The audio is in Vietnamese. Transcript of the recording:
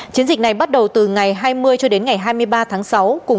chiến dịch này bắt đầu từ ngày hai mươi cho đến ngày hai mươi ba tháng sáu